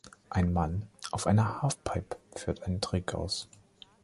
Ein Mann auf einer Halfpipe führt einen Trick aus.